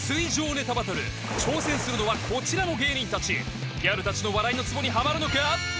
ネタバトル挑戦するのはこちらの芸人達ギャル達の笑いのツボにハマるのか？